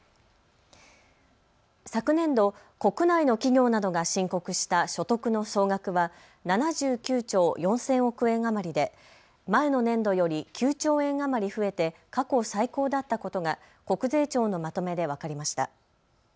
昨年度、国内の企業などが申告した所得の総額は７９兆４０００億円余りで前の年度より９兆円余り増えて過去最高だったことが国税庁のまとめで分かりました。